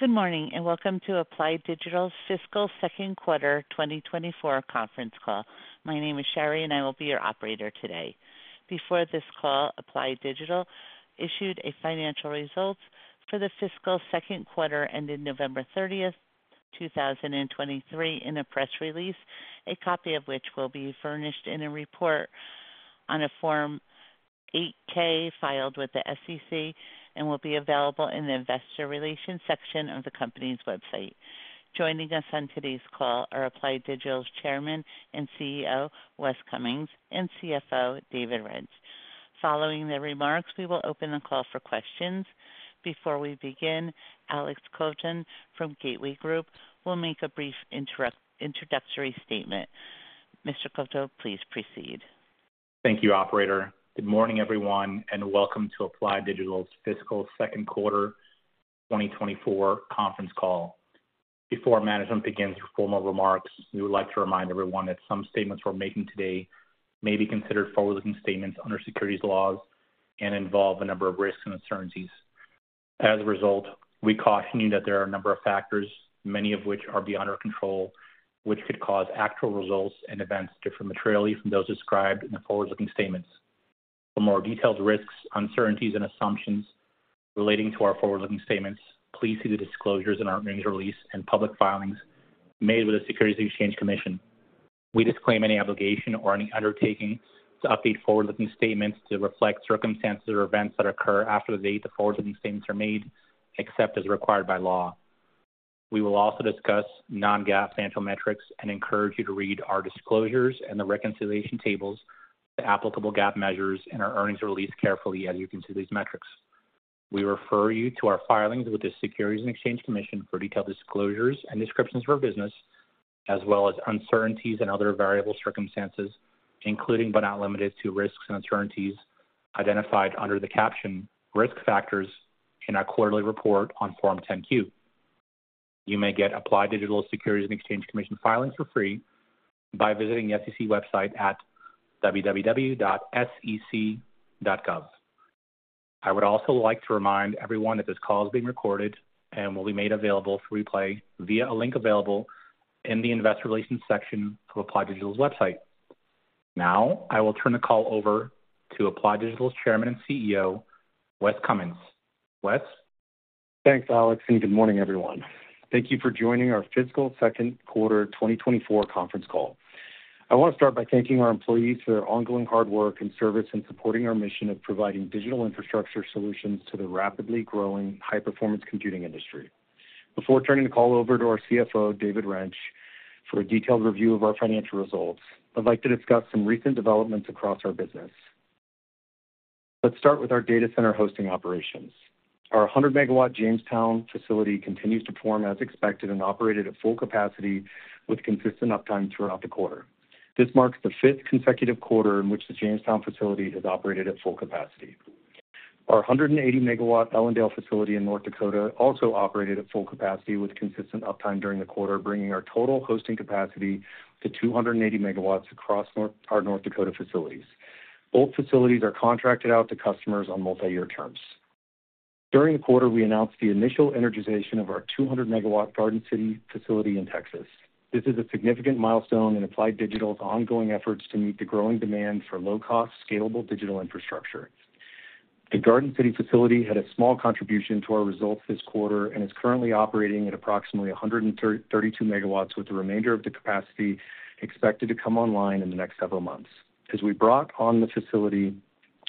Good morning, and welcome to Applied Digital's Fiscal Second Quarter 2024 Conference call. My name is Sherry, and I will be your operator today. Before this call, Applied Digital issued a financial results for the fiscal second quarter, ending November 30, 2023, in a press release, a copy of which will be furnished in a report on a Form 8-K filed with the SEC and will be available in the investor relations section of the company's website. Joining us on today's call are Applied Digital's Chairman and CEO, Wes Cummins, and CFO, David Rench. Following the remarks, we will open the call for questions. Before we begin, Alex Kovtun from Gateway Group will make a brief introductory statement. Mr. Kovtun, please proceed. Thank you, operator. Good morning, everyone, and welcome to Applied Digital's fiscal second quarter 2024 conference call. Before management begins their formal remarks, we would like to remind everyone that some statements we're making today may be considered forward-looking statements under securities laws and involve a number of risks and uncertainties. As a result, we caution you that there are a number of factors, many of which are beyond our control, which could cause actual results and events to differ materially from those described in the forward-looking statements. For more detailed risks, uncertainties, and assumptions relating to our forward-looking statements, please see the disclosures in our earnings release and public filings made with the Securities and Exchange Commission. We disclaim any obligation or any undertaking to update forward-looking statements to reflect circumstances or events that occur after the date the forward-looking statements are made, except as required by law. We will also discuss non-GAAP financial metrics and encourage you to read our disclosures and the reconciliation tables to applicable GAAP measures in our earnings release carefully, as you can see these metrics. We refer you to our filings with the Securities and Exchange Commission for detailed disclosures and descriptions of our business, as well as uncertainties and other variable circumstances, including but not limited to, risks and uncertainties identified under the caption Risk Factors in our quarterly report on Form 10-Q. You may get Applied Digital's Securities and Exchange Commission filings for free by visiting the SEC website at www.sec.gov. I would also like to remind everyone that this call is being recorded and will be made available for replay via a link available in the investor relations section to Applied Digital's website. Now, I will turn the call over to Applied Digital's Chairman and CEO, Wes Cummins. Wes? Thanks, Alex, and good morning, everyone. Thank you for joining our fiscal second quarter 2024 conference call. I want to start by thanking our employees for their ongoing hard work and service in supporting our mission of providing digital infrastructure solutions to the rapidly growing high-performance computing industry. Before turning the call over to our CFO, David Rench, for a detailed review of our financial results, I'd like to discuss some recent developments across our business. Let's start with our data center hosting operations. Our 100-megawatt Jamestown facility continues to perform as expected and operated at full capacity with consistent uptime throughout the quarter. This marks the fifth consecutive quarter in which the Jamestown facility has operated at full capacity. Our 180 MW Ellendale facility in North Dakota also operated at full capacity with consistent uptime during the quarter, bringing our total hosting capacity to 280 MW across our North Dakota facilities. Both facilities are contracted out to customers on multi-year terms. During the quarter, we announced the initial energization of our 200 MW Garden City facility in Texas. This is a significant milestone in Applied Digital's ongoing efforts to meet the growing demand for low-cost, scalable digital infrastructure. The Garden City facility had a small contribution to our results this quarter and is currently operating at approximately 132 MW, with the remainder of the capacity expected to come online in the next several months. As we brought on the facility,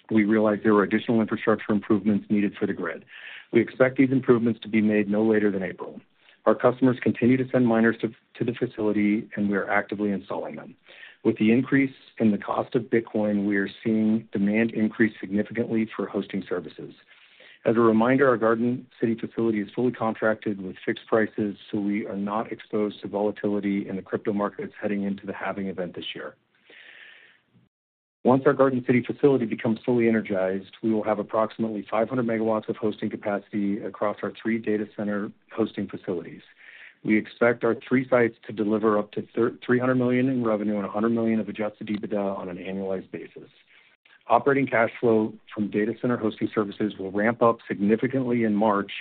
we realized there were additional infrastructure improvements needed for the grid. We expect these improvements to be made no later than April. Our customers continue to send miners to the facility, and we are actively installing them. With the increase in the cost of Bitcoin, we are seeing demand increase significantly for hosting services. As a reminder, our Garden City facility is fully contracted with fixed prices, so we are not exposed to volatility in the crypto markets heading into the halving event this year. Once our Garden City facility becomes fully energized, we will have approximately 500 megawatts of hosting capacity across our three data center hosting facilities. We expect our three sites to deliver up to $300 million in revenue and $100 million of Adjusted EBITDA on an annualized basis. Operating cash flow from data center hosting services will ramp up significantly in March,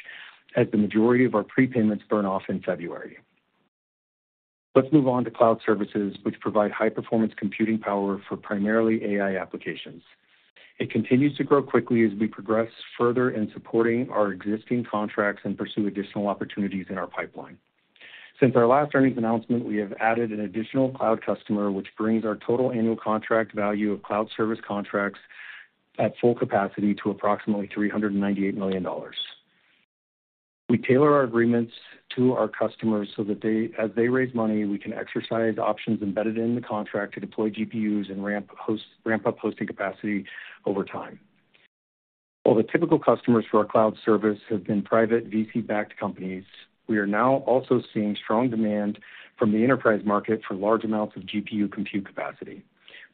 as the majority of our prepayments burn off in February. Let's move on to cloud services, which provide high-performance computing power for primarily AI applications. It continues to grow quickly as we progress further in supporting our existing contracts and pursue additional opportunities in our pipeline. Since our last earnings announcement, we have added an additional cloud customer, which brings our total annual contract value of cloud service contracts at full capacity to approximately $398 million. We tailor our agreements to our customers so that they as they raise money, we can exercise options embedded in the contract to deploy GPUs and ramp up hosting capacity over time. While the typical customers for our cloud service have been private VC-backed companies, we are now also seeing strong demand from the enterprise market for large amounts of GPU compute capacity.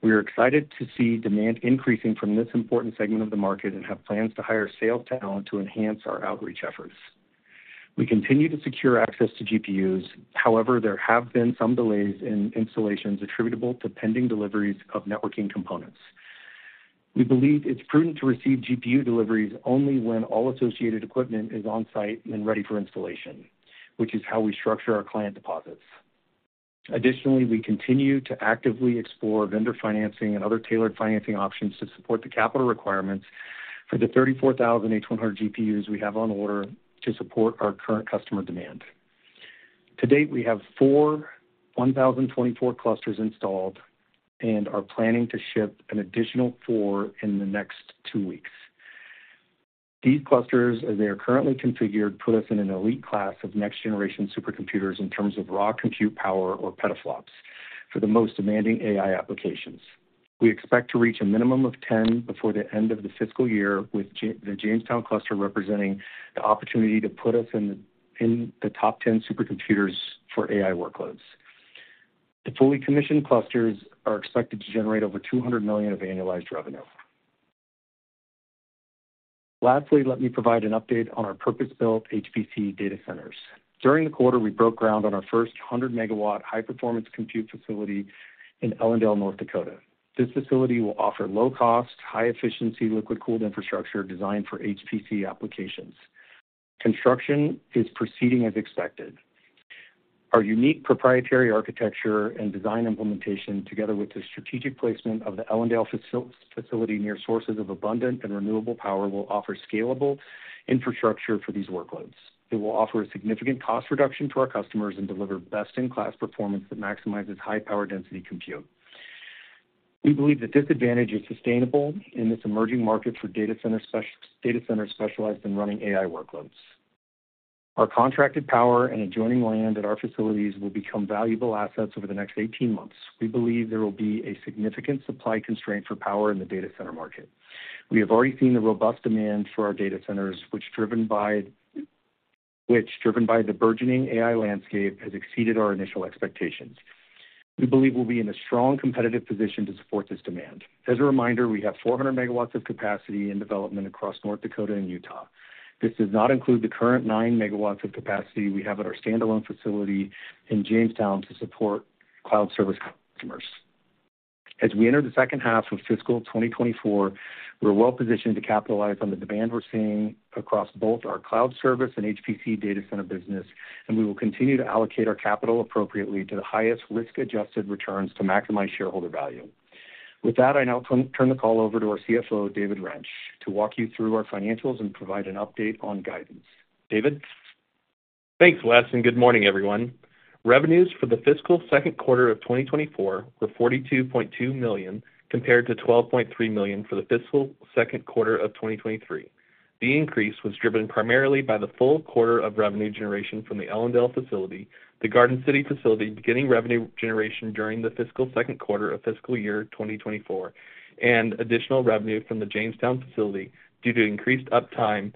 We are excited to see demand increasing from this important segment of the market and have plans to hire sales talent to enhance our outreach efforts. We continue to secure access to GPUs. However, there have been some delays in installations attributable to pending deliveries of networking components. We believe it's prudent to receive GPU deliveries only when all associated equipment is on site and ready for installation, which is how we structure our client deposits. Additionally, we continue to actively explore vendor financing and other tailored financing options to support the capital requirements for the 34,000 H100 GPUs we have on order to support our current customer demand. To date, we have four 1,024 clusters installed and are planning to ship an additional 4 in the next 2 weeks. These clusters, as they are currently configured, put us in an elite class of next-generation supercomputers in terms of raw compute power, or petaflops, for the most demanding AI applications. We expect to reach a minimum of 10 before the end of the fiscal year, with the Jamestown cluster representing the opportunity to put us in the, in the top 10 supercomputers for AI workloads. The fully commissioned clusters are expected to generate over $200 million of annualized revenue. Lastly, let me provide an update on our purpose-built HPC data centers. During the quarter, we broke ground on our first 100-megawatt high-performance compute facility in Ellendale, North Dakota. This facility will offer low-cost, high-efficiency, liquid-cooled infrastructure designed for HPC applications. Construction is proceeding as expected. Our unique proprietary architecture and design implementation, together with the strategic placement of the Ellendale facility near sources of abundant and renewable power, will offer scalable infrastructure for these workloads. It will offer a significant cost reduction to our customers and deliver best-in-class performance that maximizes high-power density compute. We believe that this advantage is sustainable in this emerging market for data centers specialized in running AI workloads. Our contracted power and adjoining land at our facilities will become valuable assets over the next 18 months. We believe there will be a significant supply constraint for power in the data center market. We have already seen the robust demand for our data centers, which, driven by the burgeoning AI landscape, has exceeded our initial expectations. We believe we'll be in a strong competitive position to support this demand. As a reminder, we have 400 MW of capacity in development across North Dakota and Utah. This does not include the current 9 MW of capacity we have at our standalone facility in Jamestown to support cloud service customers. As we enter the second half of fiscal 2024, we're well positioned to capitalize on the demand we're seeing across both our cloud service and HPC data center business, and we will continue to allocate our capital appropriately to the highest risk-adjusted returns to maximize shareholder value. With that, I now turn the call over to our CFO, David Rench, to walk you through our financials and provide an update on guidance. David? Thanks, Wes, and good morning, everyone. Revenues for the fiscal second quarter of 2024 were $42.2 million, compared to $12.3 million for the fiscal second quarter of 2023. The increase was driven primarily by the full quarter of revenue generation from the Ellendale facility, the Garden City facility beginning revenue generation during the fiscal second quarter of fiscal year 2024, and additional revenue from the Jamestown facility due to increased uptime.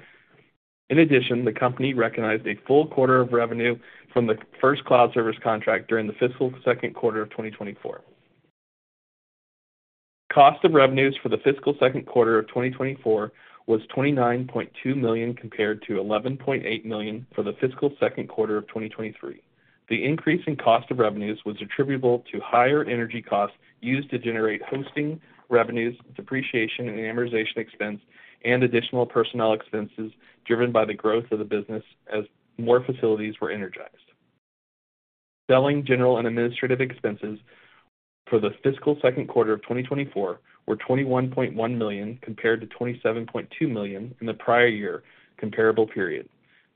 In addition, the company recognized a full quarter of revenue from the first cloud service contract during the fiscal second quarter of 2024. Cost of revenues for the fiscal second quarter of 2024 was $29.2 million, compared to $11.8 million for the fiscal second quarter of 2023. The increase in cost of revenues was attributable to higher energy costs used to generate hosting revenues, depreciation, and amortization expense, and additional personnel expenses driven by the growth of the business as more facilities were energized. Selling, general, and administrative expenses for the fiscal second quarter of 2024 were $21.1 million, compared to $27.2 million in the prior year comparable period.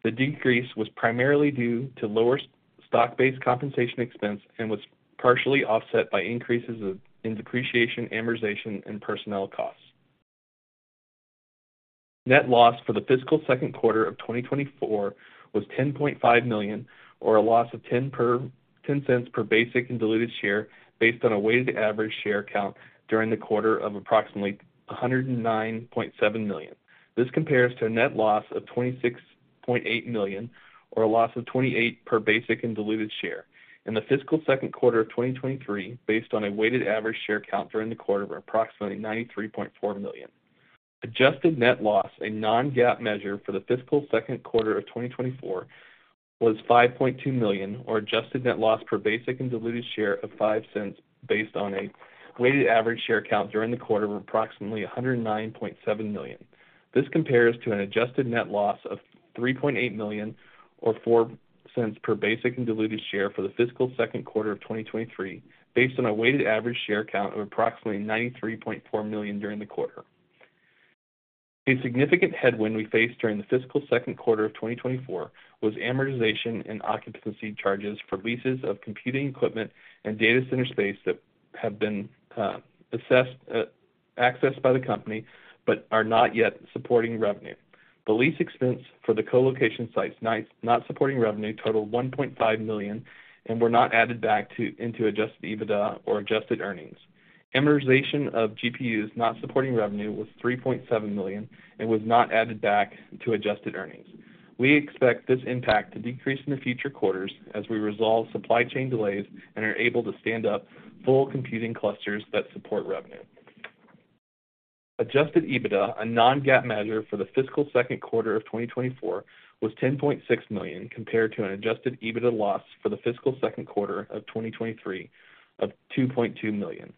The decrease was primarily due to lower stock-based compensation expense and was partially offset by increases in depreciation, amortization, and personnel costs. Net loss for the fiscal second quarter of 2024 was $10.5 million, or a loss of ten cents per basic and diluted share, based on a weighted average share count during the quarter of approximately 109.7 million. This compares to a net loss of $26.8 million, or a loss of $0.28 per basic and diluted share in the fiscal second quarter of 2023, based on a weighted average share count during the quarter of approximately 93.4 million. Adjusted net loss, a non-GAAP measure for the fiscal second quarter of 2024, was $5.2 million, or adjusted net loss per basic and diluted share of $0.05, based on a weighted average share count during the quarter of approximately 109.7 million. This compares to an adjusted net loss of $3.8 million, or $0.04 per basic and diluted share for the fiscal second quarter of 2023, based on a weighted average share count of approximately 93.4 million during the quarter. A significant headwind we faced during the fiscal second quarter of 2024 was amortization and occupancy charges for leases of computing equipment and data center space that have been assessed accessed by the company, but are not yet supporting revenue. The lease expense for the co-location sites not supporting revenue totaled $1.5 million and were not added back to, into Adjusted EBITDA or adjusted earnings. Amortization of GPUs not supporting revenue was $3.7 million and was not added back to adjusted earnings. We expect this impact to decrease in the future quarters as we resolve supply chain delays and are able to stand up full computing clusters that support revenue. Adjusted EBITDA, a non-GAAP measure for the fiscal second quarter of 2024, was $10.6 million, compared to an adjusted EBITDA loss for the fiscal second quarter of 2023 of $2.2 million.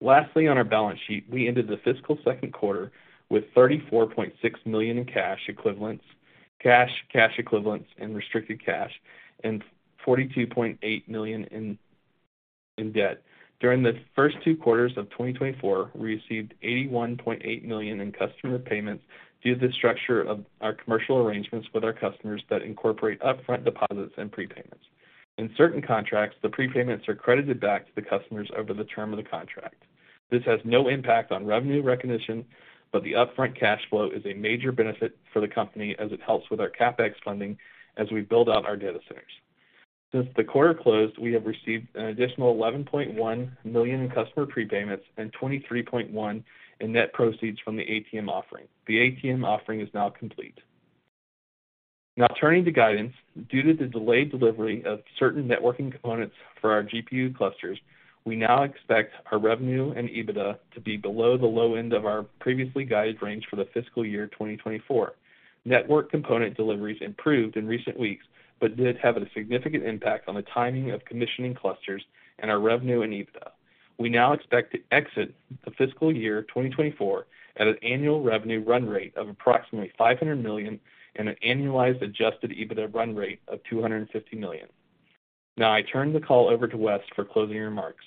Lastly, on our balance sheet, we ended the fiscal second quarter with $34.6 million in cash equivalents, cash, cash equivalents, and restricted cash, and $42.8 million in debt. During the first two quarters of 2024, we received $81.8 million in customer payments due to the structure of our commercial arrangements with our customers that incorporate upfront deposits and prepayments. In certain contracts, the prepayments are credited back to the customers over the term of the contract. This has no impact on revenue recognition, but the upfront cash flow is a major benefit for the company as it helps with our CapEx funding as we build out our data centers. Since the quarter closed, we have received an additional $11.1 million in customer prepayments and $23.1 million in net proceeds from the ATM offering. The ATM offering is now complete. Now turning to guidance. Due to the delayed delivery of certain networking components for our GPU clusters, we now expect our revenue and EBITDA to be below the low end of our previously guided range for the fiscal year 2024. Network component deliveries improved in recent weeks, but did have a significant impact on the timing of commissioning clusters and our revenue and EBITDA. We now expect to exit the fiscal year 2024 at an annual revenue run rate of approximately $500 million and an annualized Adjusted EBITDA run rate of $250 million. Now, I turn the call over to Wes for closing remarks.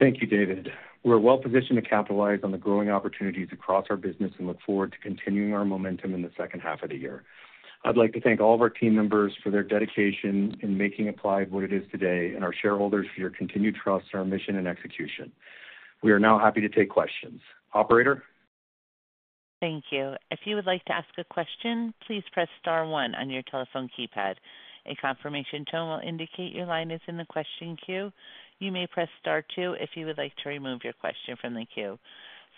Thank you, David. We're well positioned to capitalize on the growing opportunities across our business and look forward to continuing our momentum in the second half of the year. I'd like to thank all of our team members for their dedication in making Applied what it is today and our shareholders for your continued trust, our mission, and execution. We are now happy to take questions. Operator? Thank you. If you would like to ask a question, please press star one on your telephone keypad. A confirmation tone will indicate your line is in the question queue. You may press star two if you would like to remove your question from the queue.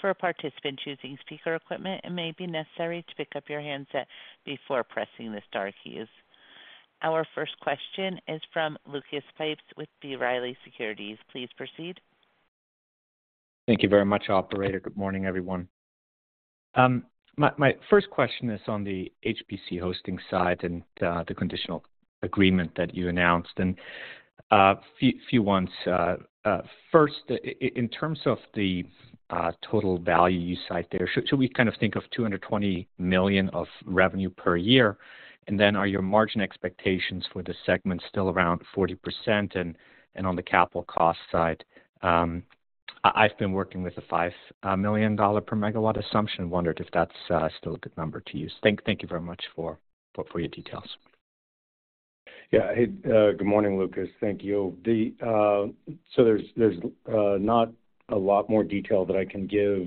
For a participant choosing speaker equipment, it may be necessary to pick up your handset before pressing the star keys. Our first question is from Lucas Pipes with B. Riley Securities. Please proceed. Thank you very much, operator. Good morning, everyone. My first question is on the HPC hosting side and the conditional agreement that you announced. And a few ones. First, in terms of the total value you cite there, should we kind of think of $220 million of revenue per year? And then are your margin expectations for the segment still around 40%? And on the capital cost side, I've been working with the $5 million per megawatt assumption. Wondered if that's still a good number to use. Thank you very much for your details. Yeah. Hey, good morning, Lucas. Thank you. The... So there's not a lot more detail that I can give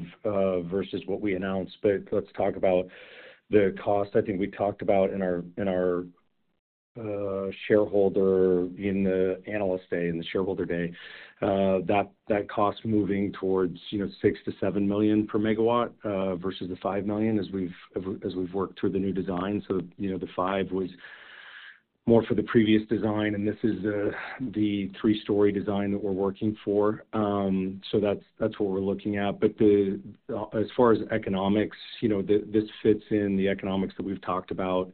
versus what we announced, but let's talk about the cost. I think we talked about in our shareholder, in the Analyst Day, in the Shareholder Day, that cost moving towards, you know, $6 million-$7 million per megawatt versus the $5 million as we've worked through the new design. So, you know, the $5 million was more for the previous design, and this is the three-story design that we're working for. So that's what we're looking at. But as far as economics, you know, this fits in the economics that we've talked about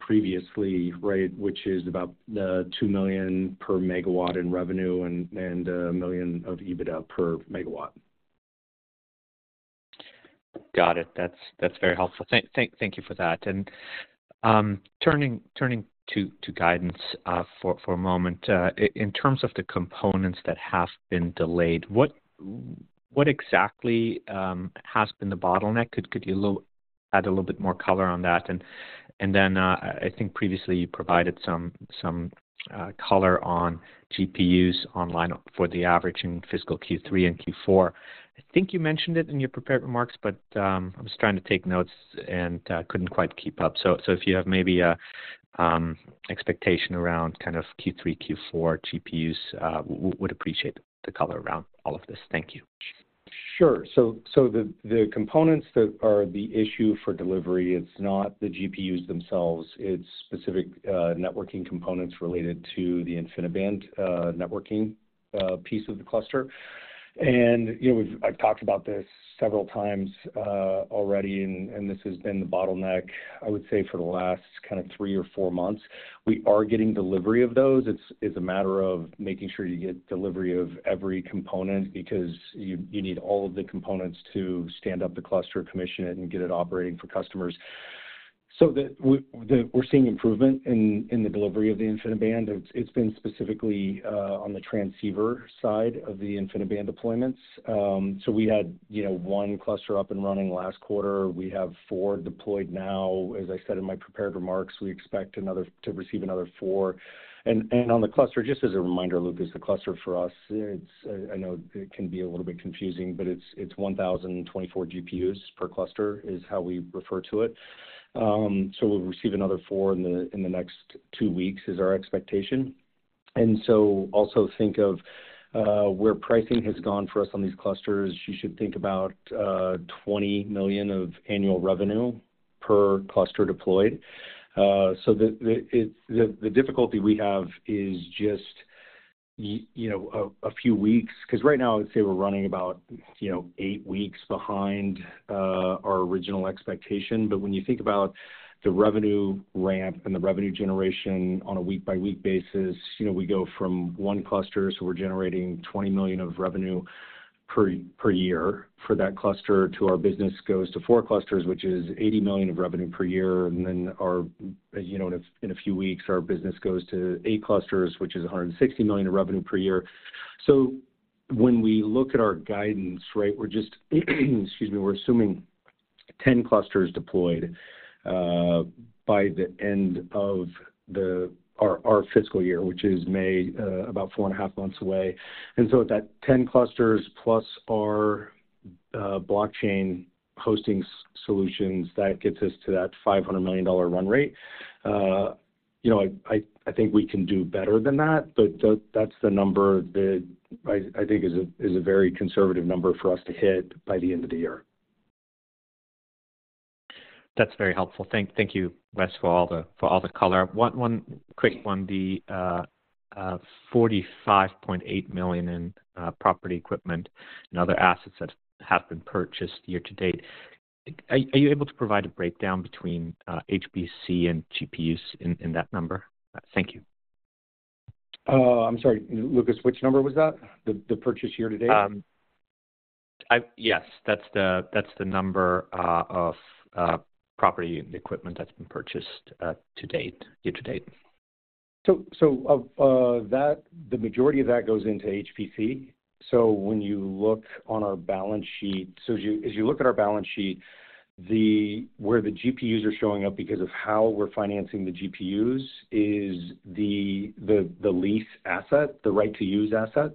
previously, right, which is about the $2 million per megawatt in revenue and $1 million of EBITDA per megawatt. Got it. That's very helpful. Thank you for that. And turning to guidance for a moment, in terms of the components that have been delayed, what exactly has been the bottleneck? Could you add a little bit more color on that? And then, I think previously you provided some color on GPUs online for the average in fiscal Q3 and Q4. I think you mentioned it in your prepared remarks, but I was trying to take notes and couldn't quite keep up. So if you have maybe a expectation around kind of Q3, Q4 GPUs, would appreciate the color around all of this. Thank you. Sure. So the components that are the issue for delivery, it's not the GPUs themselves, it's specific networking components related to the InfiniBand networking piece of the cluster. And, you know, I've talked about this several times already, and this has been the bottleneck, I would say, for the last kind of three or four months. We are getting delivery of those. It's a matter of making sure you get delivery of every component because you need all of the components to stand up the cluster, commission it, and get it operating for customers. So we're seeing improvement in the delivery of the InfiniBand. It's been specifically on the transceiver side of the InfiniBand deployments. So we had, you know, one cluster up and running last quarter. We have four deployed now. As I said in my prepared remarks, we expect another 4. And on the cluster, just as a reminder, Lucas, the cluster for us, it's. I know it can be a little bit confusing, but it's 1,024 GPUs per cluster, is how we refer to it. So we'll receive another 4 in the next two weeks, is our expectation. And so also think of where pricing has gone for us on these clusters. You should think about $20 million of annual revenue per cluster deployed. So the difficulty we have is just you know, a few weeks, because right now I'd say we're running about, you know, 8 weeks behind our original expectation. But when you think about the revenue ramp and the revenue generation on a week-by-week basis, you know, we go from one cluster, so we're generating $20 million of revenue per year for that cluster to our business goes to four clusters, which is $80 million of revenue per year. And then our, you know, in, in a few weeks, our business goes to eight clusters, which is a $160 million of revenue per year. So when we look at our guidance, right, we're just, excuse me, we're assuming 10 clusters deployed by the end of the, our, our fiscal year, which is May, about four and a half months away. And so that 10 clusters plus our, blockchain hosting solutions, that gets us to that $500 million run rate. You know, I think we can do better than that, but that's the number that I think is a very conservative number for us to hit by the end of the year. That's very helpful. Thank, thank you, Wes, for all the, for all the color. One, one quick one. The $45.8 million in property equipment and other assets that have been purchased year-to-date, are, are you able to provide a breakdown between HPC and GPUs in that number? Thank you. I'm sorry, Lucas, which number was that? The purchase year-to-date? Yes, that's the number of property and equipment that's been purchased to date, year-to-date. So, of that, the majority of that goes into HPC. So when you look on our balance sheet, so as you look at our balance sheet, the, where the GPUs are showing up because of how we're financing the GPUs is the lease asset, the right to use asset.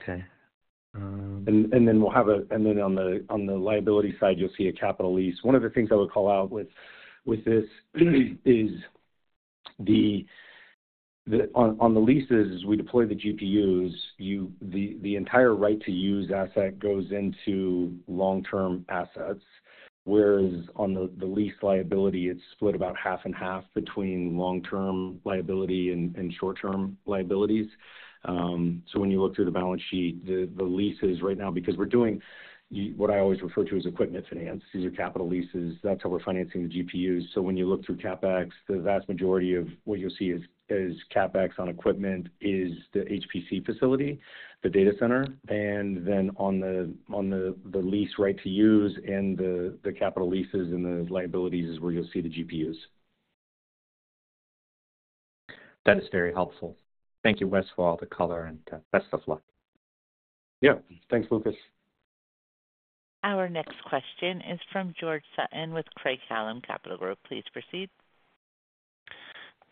Okay, um- And then on the liability side, you'll see a capital lease. One of the things I would call out with this is on the leases, as we deploy the GPUs, the entire right to use asset goes into long-term assets, whereas on the lease liability, it's split about half and half between long-term liability and short-term liabilities. So when you look through the balance sheet, the leases right now, because we're doing what I always refer to as equipment finance, these are capital leases. That's how we're financing the GPUs. So when you look through CapEx, the vast majority of what you'll see is CapEx on equipment is the HPC facility, the data center, and then on the lease right to use and the capital leases and the liabilities is where you'll see the GPUs. That is very helpful. Thank you, Wes, for all the color, and best of luck. Yeah. Thanks, Lucas. Our next question is from George Sutton with Craig-Hallum Capital Group. Please proceed.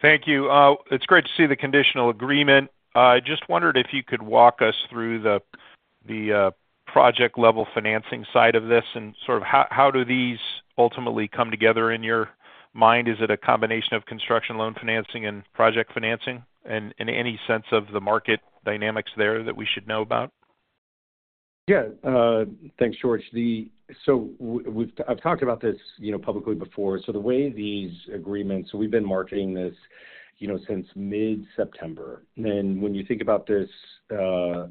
Thank you. It's great to see the conditional agreement. I just wondered if you could walk us through the project-level financing side of this, and sort of how these ultimately come together in your mind? Is it a combination of construction loan financing and project financing? And any sense of the market dynamics there that we should know about? Yeah, thanks, George. So we've talked about this, you know, publicly before. So the way these agreements, so we've been marketing this, you know, since mid-September. Then when you think about this, you know,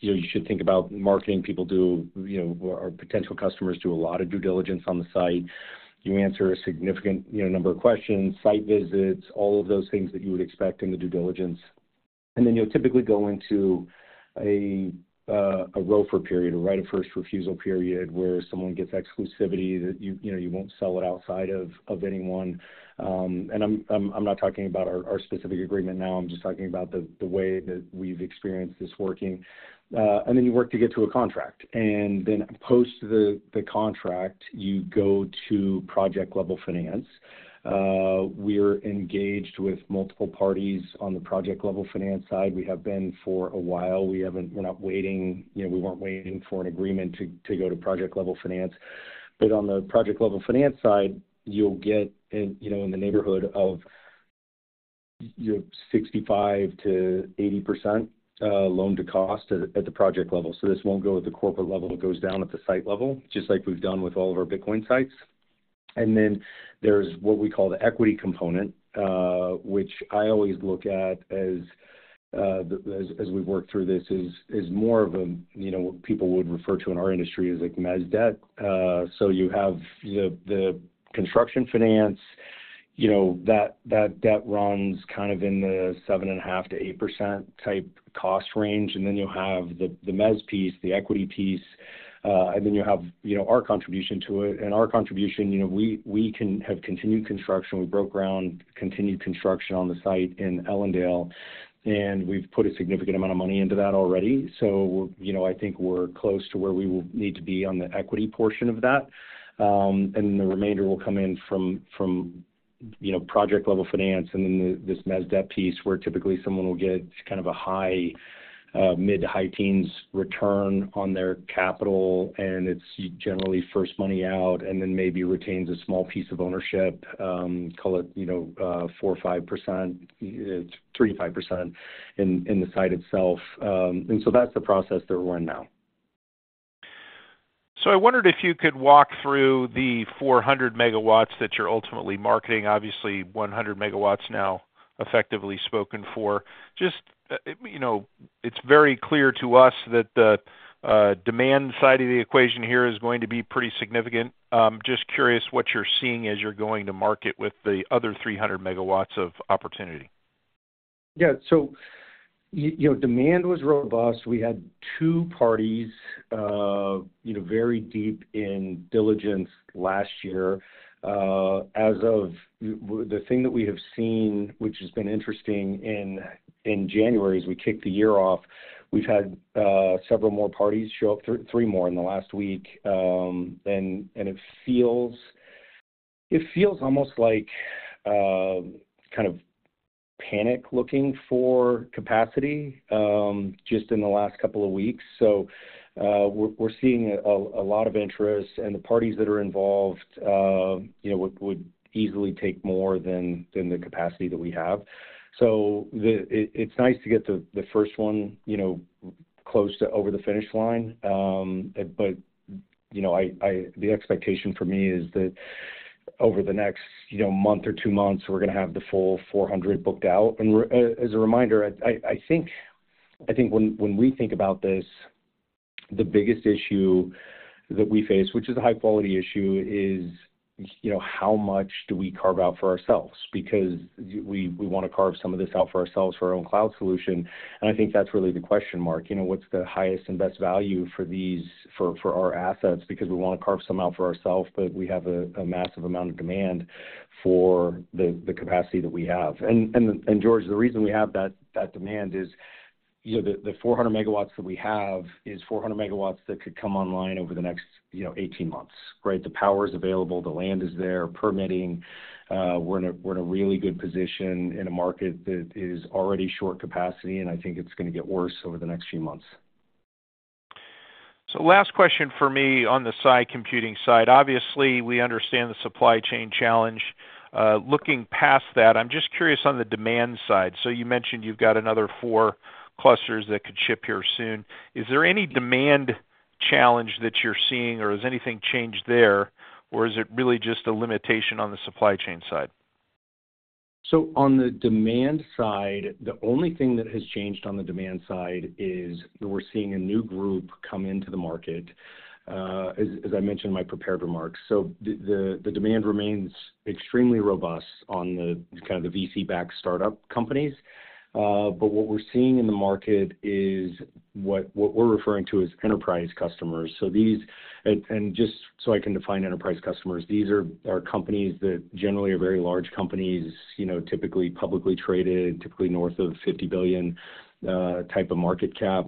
you should think about marketing people do, you know, or potential customers do a lot of due diligence on the site. You answer a significant, you know, number of questions, site visits, all of those things that you would expect in the due diligence. And then you'll typically go into a ROFR period, a right of first refusal period, where someone gets exclusivity that you, you know, you won't sell it outside of anyone. And I'm not talking about our specific agreement now, I'm just talking about the way that we've experienced this working. And then you work to get to a contract, and then post the, the contract, you go to project-level finance. We're engaged with multiple parties on the project-level finance side. We have been for a while. We haven't-- we're not waiting, you know, we weren't waiting for an agreement to, to go to project-level finance. But on the project-level finance side, you'll get in, you know, in the neighborhood of your 65%-80% loan to cost at, at the project level. So this won't go at the corporate level. It goes down at the site level, just like we've done with all of our Bitcoin sites. Then there's what we call the equity component, which I always look at as, as we've worked through this, is more of a, you know, what people would refer to in our industry as, like, mezz debt. So you have the construction finance, you know, that debt runs kind of in the 7.5%-8% type cost range. And then you'll have the mezz piece, the equity piece, and then you'll have, you know, our contribution to it. And our contribution, you know, we can have continued construction. We broke ground, continued construction on the site in Ellendale, and we've put a significant amount of money into that already. So, you know, I think we're close to where we will need to be on the equity portion of that. And the remainder will come in from, you know, project-level finance and then this mezz debt piece, where typically someone will get kind of a high, mid- to high-teens return on their capital, and it's generally first money out and then maybe retains a small piece of ownership, call it, you know, 4 or 5%, 3%-5% in the site itself. And so that's the process that we're in now. So I wondered if you could walk through the 400 MW that you're ultimately marketing. Obviously, 100 megawatts now effectively spoken for. Just, you know, it's very clear to us that the demand side of the equation here is going to be pretty significant. Just curious what you're seeing as you're going to market with the other 300 MW of opportunity.... Yeah. So, you know, demand was robust. We had two parties, you know, very deep in diligence last year. The thing that we have seen, which has been interesting in January, as we kicked the year off, we've had several more parties show up, three more in the last week. And it feels, it feels almost like kind of panic looking for capacity just in the last couple of weeks. So, we're seeing a lot of interest, and the parties that are involved, you know, would easily take more than the capacity that we have. It's nice to get the first one, you know, close to over the finish line. But, you know, the expectation for me is that over the next, you know, month or two months, we're going to have the full 400 booked out. And as a reminder, I think when we think about this, the biggest issue that we face, which is a high-quality issue, is, you know, how much do we carve out for ourselves? Because we want to carve some of this out for ourselves, for our own cloud solution, and I think that's really the question mark. You know, what's the highest and best value for these, for our assets? Because we want to carve some out for ourselves, but we have a massive amount of demand for the capacity that we have. George, the reason we have that demand is, you know, the 400 MW that we have is 400 MW that could come online over the next, you know, 18 months, right? The power is available, the land is there, permitting, we're in a really good position in a market that is already short capacity, and I think it's going to get worse over the next few months. So last question for me on the Sai Computing side. Obviously, we understand the supply chain challenge. Looking past that, I'm just curious on the demand side. So you mentioned you've got another four clusters that could ship here soon. Is there any demand challenge that you're seeing, or has anything changed there, or is it really just a limitation on the supply chain side? So on the demand side, the only thing that has changed on the demand side is that we're seeing a new group come into the market, as I mentioned in my prepared remarks. So the demand remains extremely robust on the kind of the VC-backed start-up companies. But what we're seeing in the market is what we're referring to as enterprise customers. So these and just so I can define enterprise customers, these are companies that generally are very large companies, you know, typically publicly traded, typically north of $50 billion type of market cap,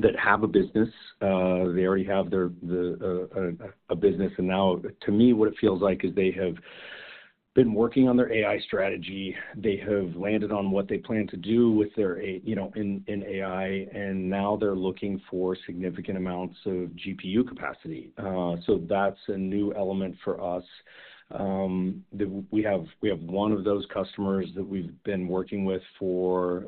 that have a business. They already have their a business, and now to me, what it feels like is they have been working on their AI strategy. They have landed on what they plan to do with their A... You know, in AI, and now they're looking for significant amounts of GPU capacity. So that's a new element for us. We have one of those customers that we've been working with for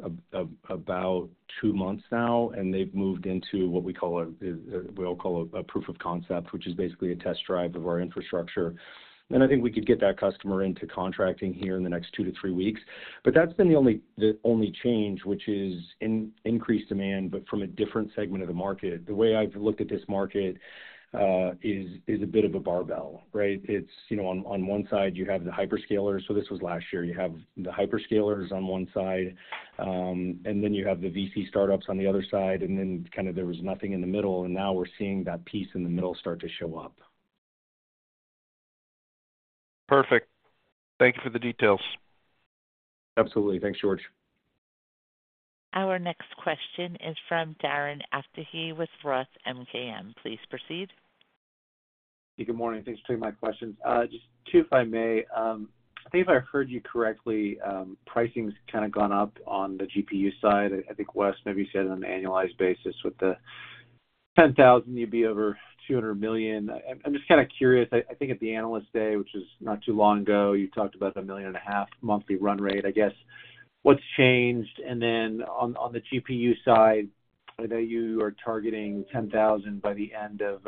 about 2 months now, and they've moved into what we call a proof of concept, which is basically a test drive of our infrastructure. And I think we could get that customer into contracting here in the next 2-3 weeks. But that's been the only change, which is increased demand, but from a different segment of the market. The way I've looked at this market is a bit of a barbell, right? It's, you know, on one side you have the hyperscalers. So this was last year. You have the hyperscalers on one side, and then you have the VC startups on the other side, and then kind of there was nothing in the middle, and now we're seeing that piece in the middle start to show up. Perfect. Thank you for the details. Absolutely. Thanks, George. Our next question is from Darren Aftahi with Roth MKM. Please proceed. Good morning. Thanks for taking my questions. Just two, if I may. I think if I heard you correctly, pricing's kind of gone up on the GPU side. I think, Wes, maybe you said on an annualized basis, with the 10,000, you'd be over $200 million. I'm just kind of curious. I think at the Analyst Day, which was not too long ago, you talked about the $1.5 million monthly run rate. I guess, what's changed? And then on the GPU side, I know you are targeting 10,000 by the end of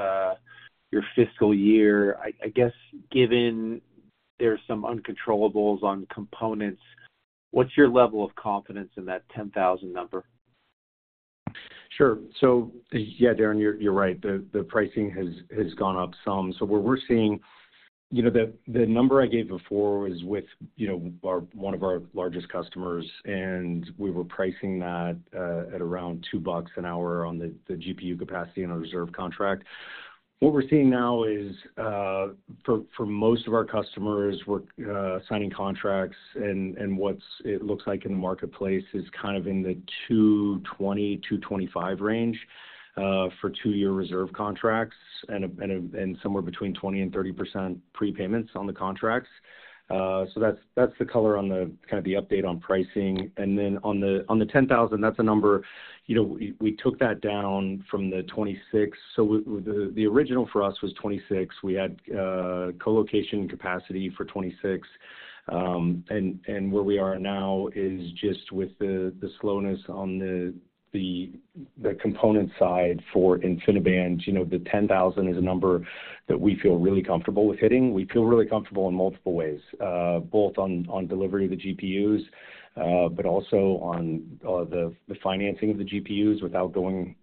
your fiscal year. I guess, given there are some uncontrollables on components, what's your level of confidence in that 10,000 number? Sure. So, yeah, Darren, you're right. The pricing has gone up some. So what we're seeing, you know, the number I gave before was with, you know, our one of our largest customers, and we were pricing that at around $2 an hour on the GPU capacity in our reserve contract. What we're seeing now is for most of our customers, we're signing contracts, and what's it looks like in the marketplace is kind of in the $2.20-$2.25 range for 2-year reserve contracts and somewhere between 20%-30% prepayments on the contracts. So that's the color on the kind of the update on pricing. And then on the 10,000, that's a number, you know, we took that down from the 26,000. So the original for us was 26. We had co-location capacity for 26. And where we are now is just with the slowness on the component side for InfiniBand. You know, the 10,000 is a number that we feel really comfortable with hitting. We feel really comfortable in multiple ways, both on delivery of the GPUs, but also on the financing of the GPUs without going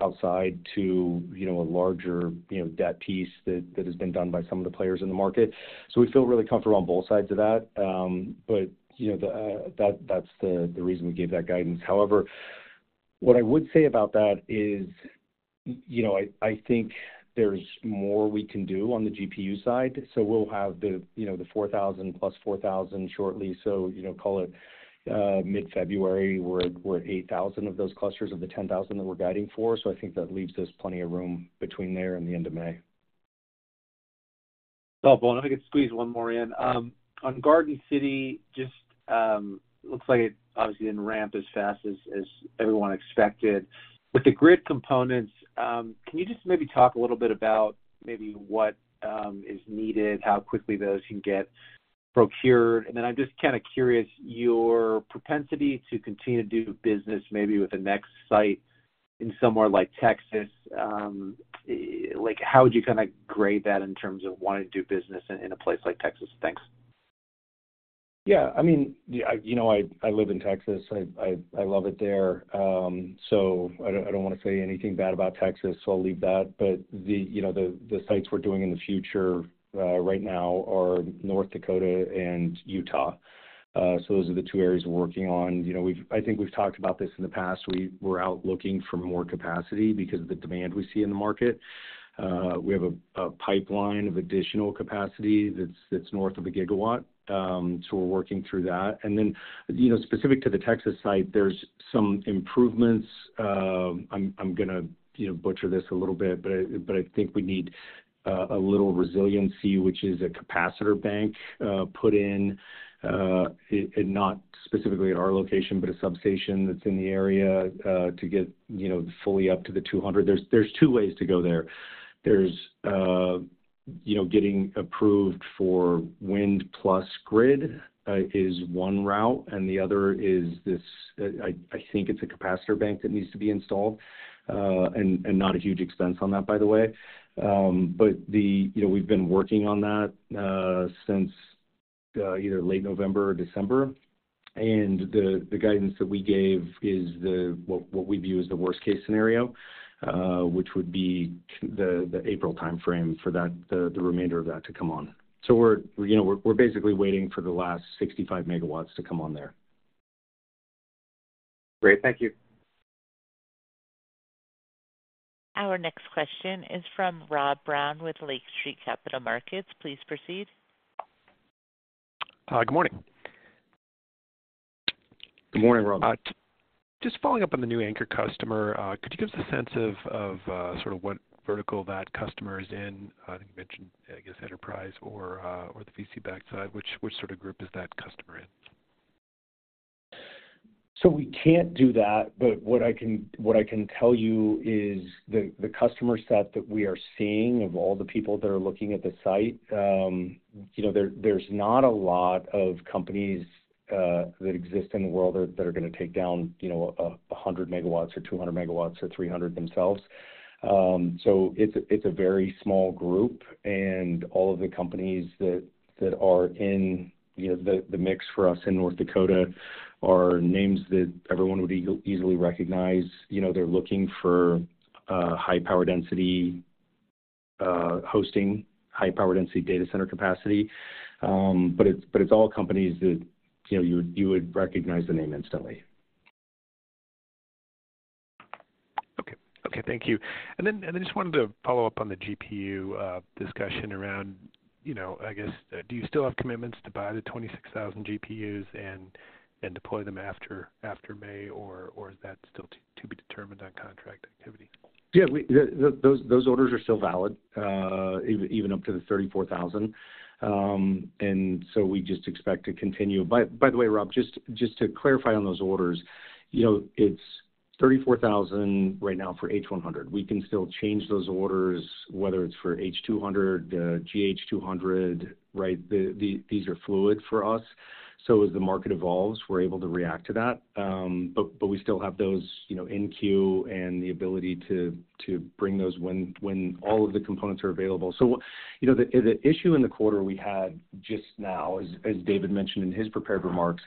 outside to a larger debt piece that has been done by some of the players in the market. So we feel really comfortable on both sides of that. But you know, that's the reason we gave that guidance. However-... What I would say about that is, you know, I, I think there's more we can do on the GPU side. So we'll have the, you know, the 4,000 plus 4,000 shortly. So, you know, call it, mid-February, we're, we're at 8,000 of those clusters of the 10,000 that we're guiding for. So I think that leaves us plenty of room between there and the end of May. Oh, Bowen, I can squeeze one more in. On Garden City, just looks like it obviously didn't ramp as fast as everyone expected. With the grid components, can you just maybe talk a little bit about maybe what is needed, how quickly those can get procured? And then I'm just kind of curious, your propensity to continue to do business, maybe with the next site in somewhere like Texas, like, how would you kind of grade that in terms of wanting to do business in a place like Texas? Thanks. Yeah, I mean, you know, I live in Texas. I love it there. So I don't want to say anything bad about Texas, so I'll leave that. But the sites we're doing in the future right now are North Dakota and Utah. So those are the two areas we're working on. You know, we've talked about this in the past. We're out looking for more capacity because of the demand we see in the market. We have a pipeline of additional capacity that's north of a gigawatt, so we're working through that. And then, you know, specific to the Texas site, there's some improvements. I'm going to, you know, butcher this a little bit, but I think we need a little resiliency, which is a capacitor bank, put in, and not specifically at our location, but a substation that's in the area, to get, you know, fully up to the 200. There's two ways to go there. There's, you know, getting approved for wind plus grid, is one route, and the other is this, I think it's a capacitor bank that needs to be installed, and not a huge expense on that, by the way. But the, you know, we've been working on that, since either late November or December. And the guidance that we gave is the what we view as the worst-case scenario, which would be the April time frame for that, the remainder of that to come on. So we're, you know, basically waiting for the last 65 megawatts to come on there. Great. Thank you. Our next question is from Rob Brown with Lake Street Capital Markets. Please proceed. Hi, good morning. Good morning, Rob. Just following up on the new anchor customer, could you give us a sense of sort of what vertical that customer is in? I think you mentioned, I guess, enterprise or the VC backside. Which sort of group is that customer in? So we can't do that, but what I can, what I can tell you is the, the customer set that we are seeing of all the people that are looking at the site, you know, there, there's not a lot of companies that exist in the world that, that are going to take down, you know, 100 MW or 200 MW or 300 themselves. So it's a, it's a very small group, and all of the companies that, that are in, you know, the, the mix for us in North Dakota are names that everyone would easily recognize. You know, they're looking for high power density hosting, high power density data center capacity. But it's all companies that, you know, you would, you would recognize the name instantly. Okay. Okay, thank you. And then I just wanted to follow up on the GPU discussion around, you know, I guess, do you still have commitments to buy the 26,000 GPUs and deploy them after May, or is that still to be determined on contract activity? Yeah, those orders are still valid, even up to the 34,000. And so we just expect to continue. By the way, Rob, just to clarify on those orders, you know, it's 34,000 right now for H100. We can still change those orders, whether it's for H200, the GH200, right? These are fluid for us. So as the market evolves, we're able to react to that. But we still have those, you know, in queue and the ability to bring those when all of the components are available. So, you know, the issue in the quarter we had just now, as David mentioned in his prepared remarks,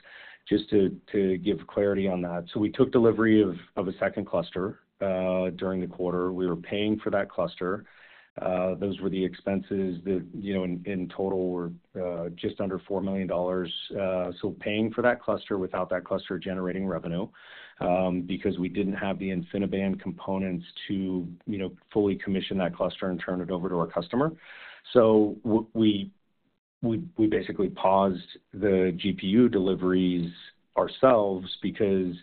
just to give clarity on that. So we took delivery of a second cluster during the quarter. We were paying for that cluster. Those were the expenses that, you know, in total, were just under $4 million. So paying for that cluster without that cluster generating revenue because we didn't have the InfiniBand components to, you know, fully commission that cluster and turn it over to our customer. So we basically paused the GPU deliveries ourselves because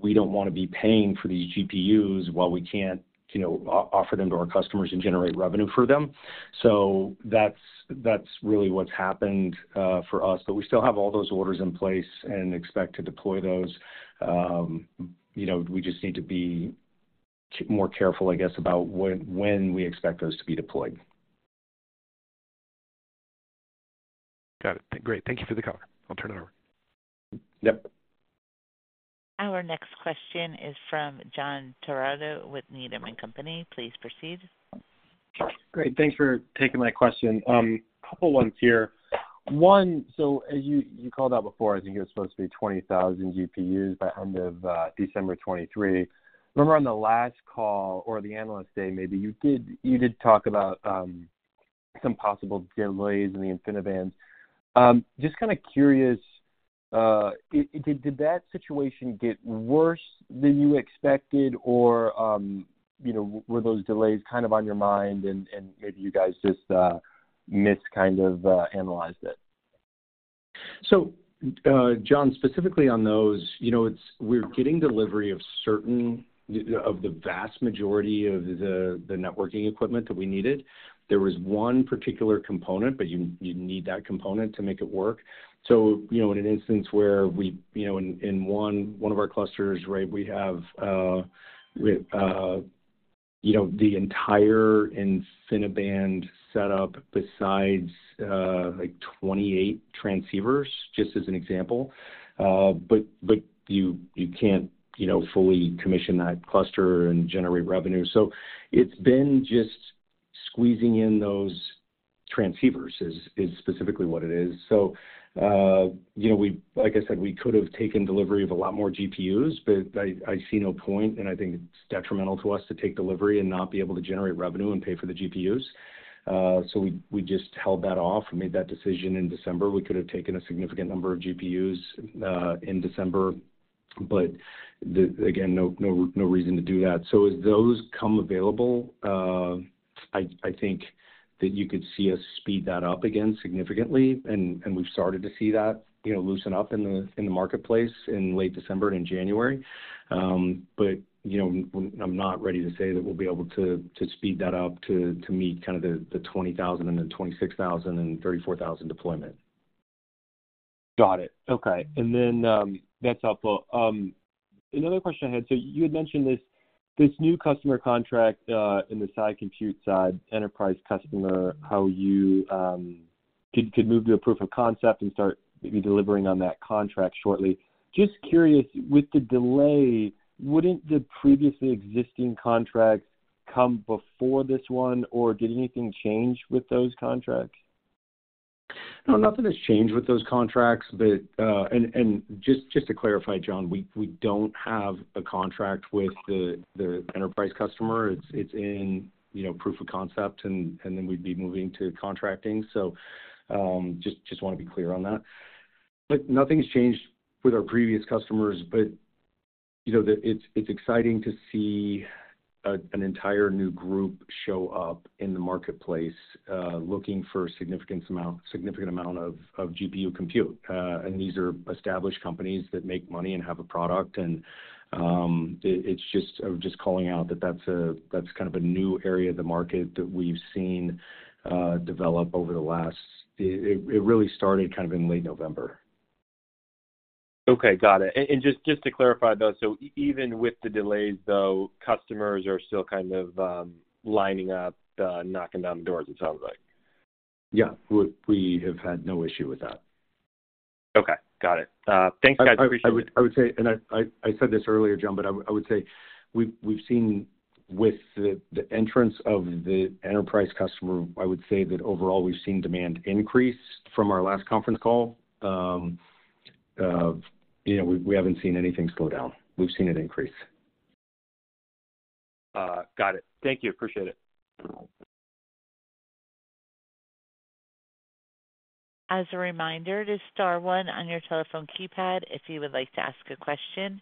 we don't want to be paying for these GPUs while we can't, you know, offer them to our customers and generate revenue for them. So that's really what's happened for us. But we still have all those orders in place and expect to deploy those. You know, we just need to be more careful, I guess, about when we expect those to be deployed. Got it. Great. Thank you for the call. I'll turn it over. Yep. Our next question is from John Todaro with Needham and Company. Please proceed. Great. Thanks for taking my question. A couple ones here. One, so as you called out before, I think it was supposed to be 20,000 GPUs by end of December 2023. Remember, on the last call or the Analyst Day, maybe you did talk about some possible delays in the InfiniBand. Just kind of curious, did that situation get worse than you expected or, you know, were those delays kind of on your mind and maybe you guys just miscalculated it? So, John, specifically on those, you know, we're getting delivery of certain, of the vast majority of the, the networking equipment that we needed. There was one particular component, but you need that component to make it work. So, you know, in an instance where we, you know, in one of our clusters, right, we have, you know, the entire InfiniBand setup besides, like, 28 transceivers, just as an example. But you can't, you know, fully commission that cluster and generate revenue. So it's been just squeezing in those transceivers is specifically what it is. So, you know, like I said, we could have taken delivery of a lot more GPUs, but I see no point, and I think it's detrimental to us to take delivery and not be able to generate revenue and pay for the GPUs. So we just held that off and made that decision in December. We could have taken a significant number of GPUs in December, but... Again, no, no, no reason to do that. So as those come available, I think that you could see us speed that up again significantly, and we've started to see that, you know, loosen up in the marketplace in late December and January. you know, I'm not ready to say that we'll be able to speed that up to meet kind of the 20,000 and then 26,000 and 34,000 deployment. Got it. Okay. And then, that's helpful. Another question I had, so you had mentioned this new customer contract in the cloud compute side, enterprise customer, how you could move to a proof of concept and start maybe delivering on that contract shortly. Just curious, with the delay, wouldn't the previously existing contracts come before this one, or did anything change with those contracts? No, nothing has changed with those contracts. But to clarify, John, we don't have a contract with the enterprise customer. It's in, you know, proof of concept, and then we'd be moving to contracting. So, just want to be clear on that. But nothing has changed with our previous customers. But, you know, it's exciting to see an entire new group show up in the marketplace, looking for significant amount of GPU compute. And these are established companies that make money and have a product, and it's just - I'm just calling out that that's a - that's kind of a new area of the market that we've seen develop over the last. It really started kind of in late November. Okay, got it. And just to clarify, though, so even with the delays, though, customers are still kind of lining up, knocking down the doors, it sounds like? Yeah, we have had no issue with that. Okay, got it. Thanks, guys. Appreciate it. I would, I would say, and I, I, I said this earlier, John, but I would, I would say we've, we've seen with the, the entrance of the enterprise customer, I would say that overall we've seen demand increase from our last conference call. You know, we, we haven't seen anything slow down. We've seen it increase. Got it. Thank you. Appreciate it. As a reminder, it is star one on your telephone keypad if you would like to ask a question.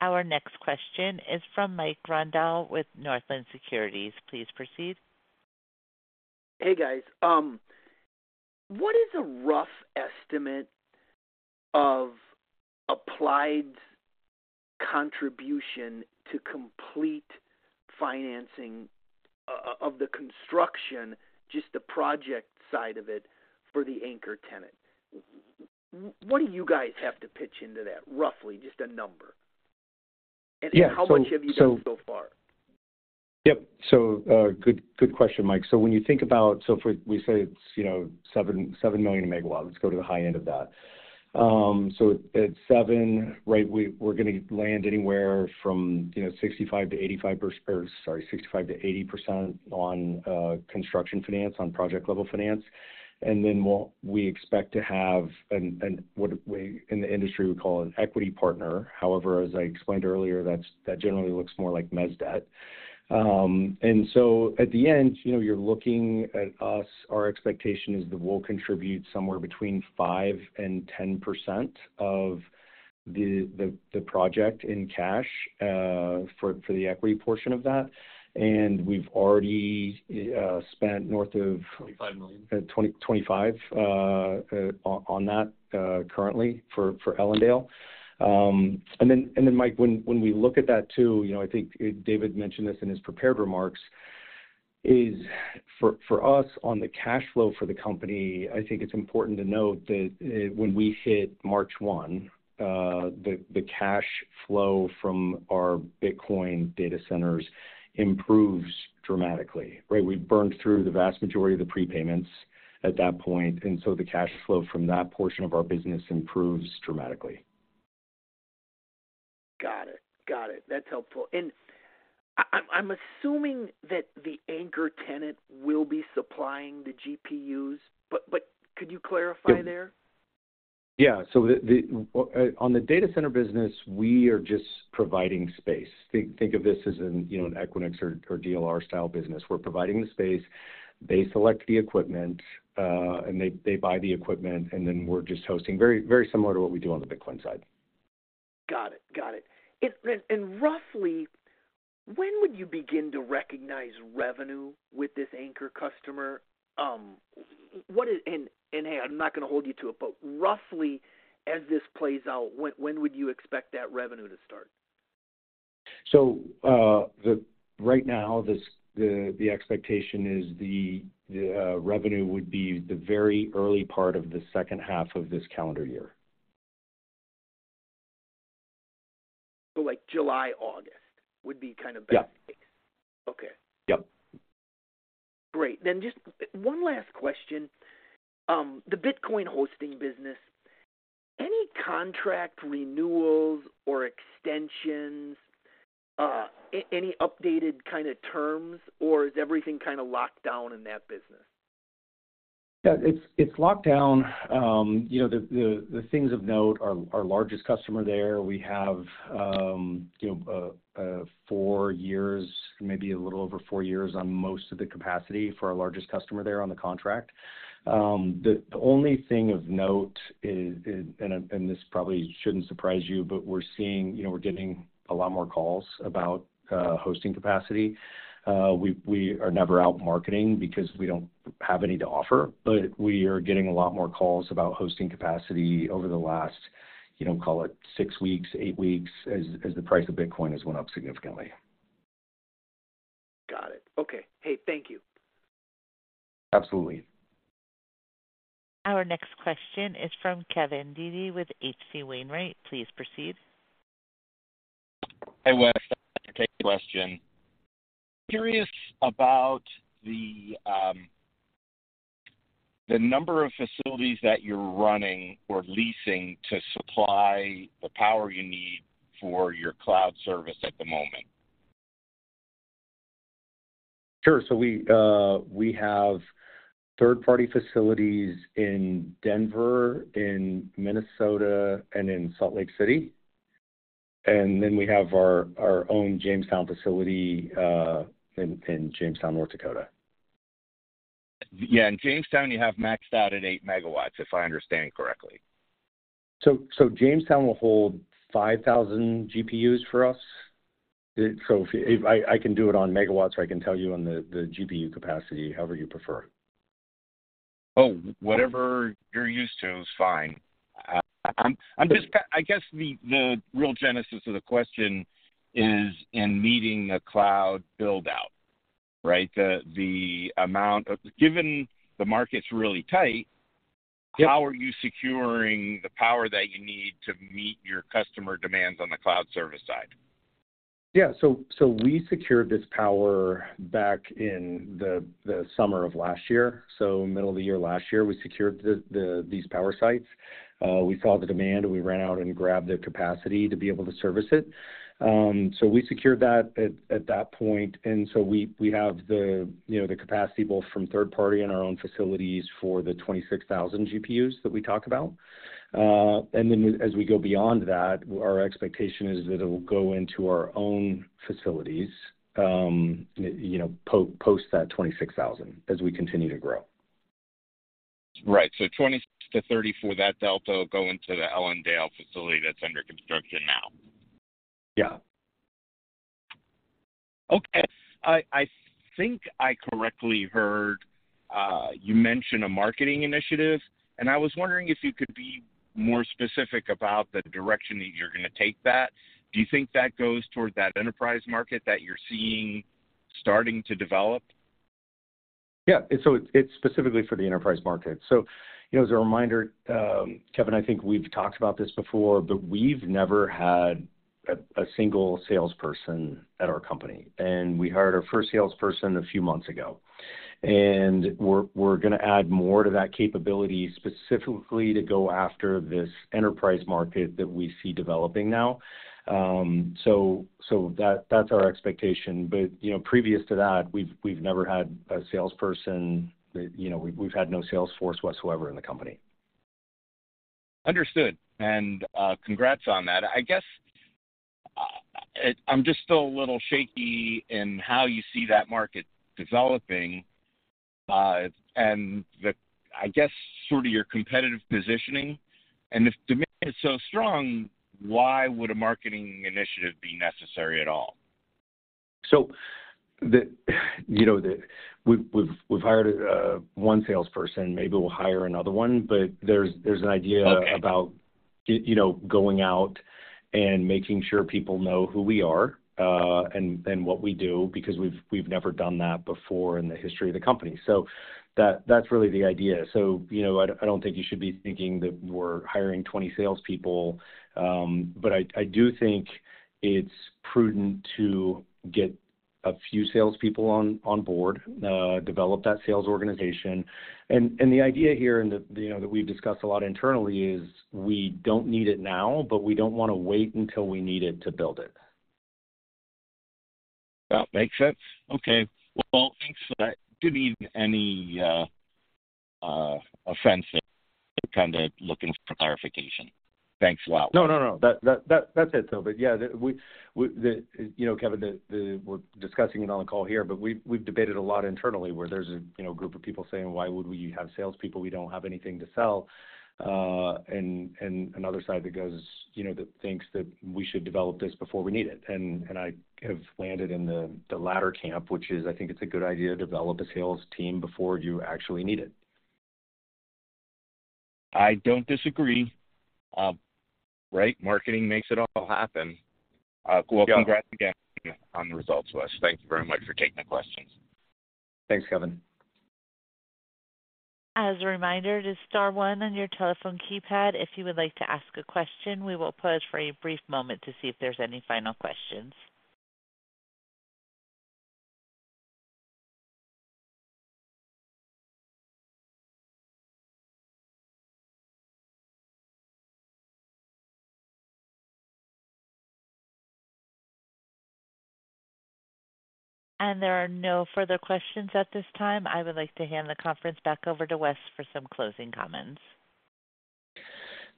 Our next question is from Mike Grondahl with Northland Securities. Please proceed. Hey, guys. What is a rough estimate of Applied's contribution to complete financing of the construction, just the project side of it, for the anchor tenant? What do you guys have to pitch into that, roughly, just a number? Yeah, so- How much have you done so far? Yep. So, good, good question, Mike. So when you think about... So if we say it's, you know, 7 million megawatts, let's go to the high end of that. So at 7, right, we're going to land anywhere from, you know, 65%-80% on construction finance, on project-level finance. And then we'll expect to have an... what we in the industry would call an equity partner. However, as I explained earlier, that's generally looks more like mezz debt. And so at the end, you know, you're looking at us, our expectation is that we'll contribute somewhere between 5%-10% of the project in cash, for the equity portion of that. And we've already spent north of- Twenty-five million. 25, on that, currently for Ellendale. And then, Mike, when we look at that too, you know, I think David mentioned this in his prepared remarks, is for us on the cash flow for the company. I think it's important to note that, when we hit March 1, the cash flow from our Bitcoin data centers improves dramatically, right? We've burned through the vast majority of the prepayments at that point, and so the cash flow from that portion of our business improves dramatically. Got it. Got it. That's helpful. And I'm assuming that the anchor tenant will be supplying the GPUs, but could you clarify there?... Yeah, so on the data center business, we are just providing space. Think of this as, you know, an Equinix or DLR style business. We're providing the space, they select the equipment, and they buy the equipment, and then we're just hosting. Very, very similar to what we do on the Bitcoin side. Got it. Got it. It's then and roughly, when would you begin to recognize revenue with this anchor customer? And, hey, I'm not gonna hold you to it, but roughly, as this plays out, when would you expect that revenue to start? So, right now, the expectation is the revenue would be the very early part of the second half of this calendar year. Like, July, August, would be kind of best- Yeah. Okay. Yep. Great. Then just one last question. The Bitcoin hosting business, any contract renewals or extensions, any updated kind of terms, or is everything kinda locked down in that business? Yeah, it's locked down. You know, the things of note, our largest customer there, we have you know four years, maybe a little over four years on most of the capacity for our largest customer there on the contract. The only thing of note is, and this probably shouldn't surprise you, but we're seeing, you know, we're getting a lot more calls about hosting capacity. We are never out marketing because we don't have any to offer, but we are getting a lot more calls about hosting capacity over the last, you know, call it six weeks, eight weeks, as the price of Bitcoin has went up significantly. Got it. Okay. Hey, thank you. Absolutely. Our next question is from Kevin Dede with H.C. Wainwright. Please proceed. Hi, Wes. To take the question. Curious about the number of facilities that you're running or leasing to supply the power you need for your cloud service at the moment. Sure. So we have third-party facilities in Denver, in Minnesota, and in Salt Lake City, and then we have our own Jamestown facility in Jamestown, North Dakota. Yeah, in Jamestown, you have maxed out at 8 MW, if I understand correctly. So, Jamestown will hold 5,000 GPUs for us. So if I can do it on megawatts, or I can tell you on the GPU capacity, however you prefer. Oh, whatever you're used to is fine. I guess the real genesis of the question is in meeting a cloud build-out, right? The amount of- given the market's really tight- Yep. How are you securing the power that you need to meet your customer demands on the cloud service side? We secured this power back in the summer of last year. Middle of the year last year, we secured these power sites. We saw the demand, and we ran out and grabbed the capacity to be able to service it. So we secured that at that point, and we have you know, the capacity, both from third party and our own facilities, for the 26,000 GPUs that we talk about. And then as we go beyond that, our expectation is that it'll go into our own facilities, you know, post that 26,000 as we continue to grow. Right. So 20-30 for that delta will go into the Ellendale facility that's under construction now? Yeah. Okay. I, I think I correctly heard you mention a marketing initiative, and I was wondering if you could be more specific about the direction that you're gonna take that. Do you think that goes towards that enterprise market that you're seeing starting to develop? Yeah. So it's specifically for the enterprise market. So, you know, as a reminder, Kevin, I think we've talked about this before, but we've never had a single salesperson at our company, and we hired our first salesperson a few months ago. And we're gonna add more to that capability, specifically to go after this enterprise market that we see developing now. So that's our expectation, but, you know, previous to that, we've never had a salesperson. You know, we've had no sales force whatsoever in the company. Understood. Congrats on that. I guess, I'm just still a little shaky in how you see that market developing, and the, I guess, sort of your competitive positioning. If demand is so strong, why would a marketing initiative be necessary at all? So, you know, we've hired one salesperson. Maybe we'll hire another one, but there's an idea- Okay... about, you know, going out and making sure people know who we are, and what we do, because we've never done that before in the history of the company. So that's really the idea. So, you know, I don't think you should be thinking that we're hiring 20 salespeople, but I do think it's prudent to get a few salespeople on board, develop that sales organization. And the idea here, and, you know, that we've discussed a lot internally, is we don't need it now, but we don't wanna wait until we need it to build it. Well, makes sense. Okay. Well, thanks for that. Didn't mean any offense there. Just kinda looking for clarification. Thanks a lot. No, no, no. That's it, though. But yeah, we, you know, Kevin, the, we're discussing it on the call here, but we've debated a lot internally where there's a, you know, group of people saying: "Why would we have salespeople? We don't have anything to sell." And another side that goes, you know, that thinks that we should develop this before we need it. And I have landed in the latter camp, which is, I think it's a good idea to develop a sales team before you actually need it. I don't disagree. Right, marketing makes it all happen. Yeah. Well, congrats again on the results, Wes. Thank you very much for taking the questions. Thanks, Kevin. As a reminder, it is star one on your telephone keypad if you would like to ask a question. We will pause for a brief moment to see if there's any final questions. There are no further questions at this time. I would like to hand the conference back over to Wes for some closing comments.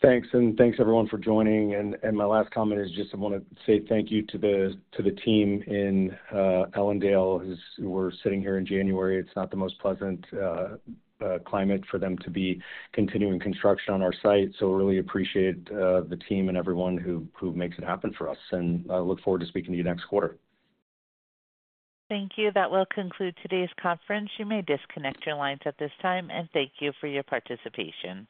Thanks, and thanks, everyone, for joining. My last comment is just I wanna say thank you to the team in Ellendale, who are sitting here in January. It's not the most pleasant climate for them to be continuing construction on our site. So we really appreciate the team and everyone who makes it happen for us, and I look forward to speaking to you next quarter. Thank you. That will conclude today's conference. You may disconnect your lines at this time, and thank you for your participation.